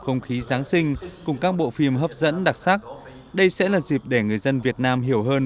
không khí giáng sinh cùng các bộ phim hấp dẫn đặc sắc đây sẽ là dịp để người dân việt nam hiểu hơn